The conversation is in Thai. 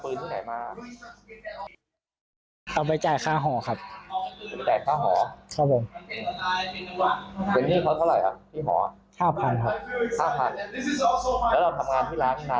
ยังไม่นานครับ